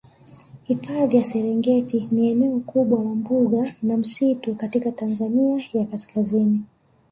Hifadhi ya Serengeti ni eneo kubwa la mbuga na misitu katika Tanzania ya kaskazini